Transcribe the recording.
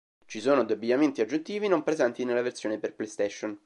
Ci sono due abbigliamenti aggiuntivi non presenti nella versione per PlayStation.